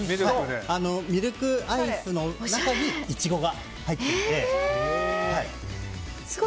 ミルクアイスの中にイチゴが入っていて。